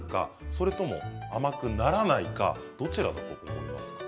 それとも甘くならないかどちらだと思いますか？